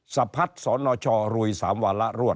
สะพัดสนชรุย๓วาระรวด